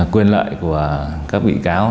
quyền lợi của các bị cáo